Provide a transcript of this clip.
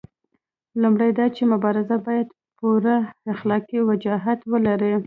لومړی دا چې مبارزه باید پوره اخلاقي وجاهت ولري.